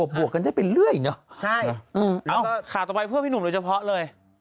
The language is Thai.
บวกกันได้ไปเรื่อยเนอะใช่เอาข่าวต่อไปเพื่อพี่หนุ่มโดยเฉพาะเลย